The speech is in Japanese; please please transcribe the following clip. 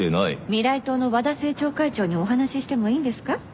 未来党の和田政調会長にお話ししてもいいんですか？